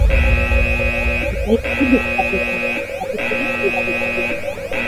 Etxekoek ondo jokatu dute, batez ere bigarren zatian.